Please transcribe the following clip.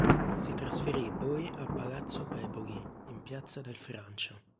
Si trasferì poi a Palazzo Pepoli, in Piazza del Francia.